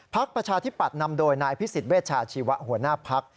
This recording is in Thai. พักประชาธิบัตนำโดยนายพิศิษย์เวชาชีวะหัวหน้าพัก